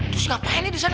terus ngapain nih di sana